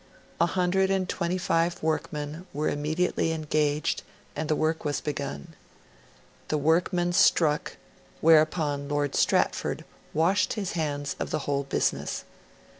One hundred and twenty five workmen were immediately engaged, and the work was begun. The workmen struck; whereupon Lord Stratford washed his hands of the whole business.